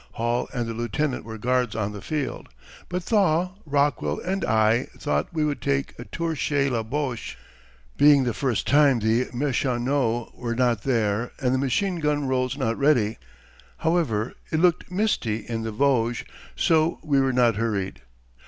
Hall and the Lieutenant were guards on the field; but Thaw, Rockwell, and I thought we would take a tour chez les Boches. Being the first time the mechanaux were not there and the machine gun rolls not ready. However it looked misty in the Vosges, so we were not hurried.